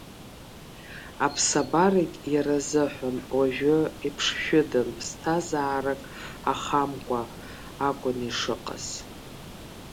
Аԥсабарагь иара изыҳәан уажәы иԥшшәыдан ԥсҭазаарак ахамкәа акәын ишыҟаз.